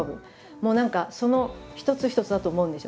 もう何かそのひとつひとつだと思うんですよ。